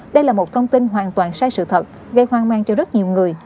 đây là một thông tin hoàn toàn sai sự thật gây hoang mang cho rất nhiều người